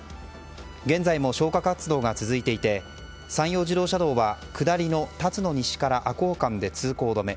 現在も消火活動が続いていて山陽自動車道は下りの龍野西から赤穂間で通行止め。